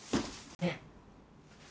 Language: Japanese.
えっ？